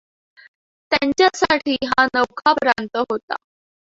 त्यांच्यासाठी हा नवखा प्रांत होता.